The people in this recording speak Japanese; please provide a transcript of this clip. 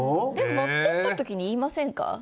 持ってった時に言いませんか？